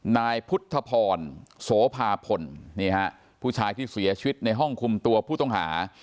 นายพุทธพรโสภาพลนี่ฮะผู้ชายที่เสียชีวิตในห้องคุมตัวผู้ต้องหา